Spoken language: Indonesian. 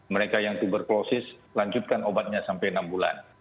mereka yang tuberkulosis lanjutkan obatnya sampai enam bulan